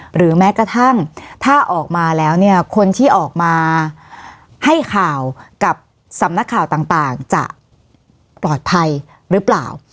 หรือแม้กระทั่งถ้าออกมาแล้วเนี่ยคนที่ออกมาให้ข่าวกับสำนักข่าวต่างจะปลอดภัยหรือเปล่า